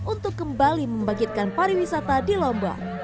untuk kembali membangkitkan pariwisata di lombok